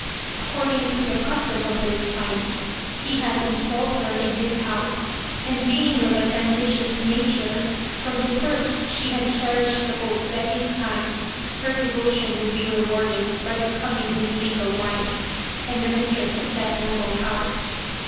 According to the custom of those times he had installed her in his house, and being of an ambitious nature, from the first she had cherished the hope that in time her devotion would be rewarded by becoming his legal wife, and the mistress of that noble house.